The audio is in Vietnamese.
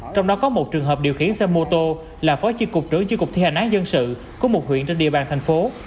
trong đó có một trường hợp điều khiển xe mô tô là phó chiên cục trưởng chiê cục thi hành án dân sự của một huyện trên địa bàn thành phố